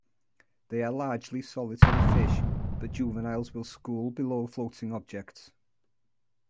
They are largely solitary fish, but juveniles will school below floating objects.